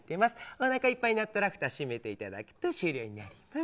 おなかいっぱいになったらふたを閉めていただくと終了です。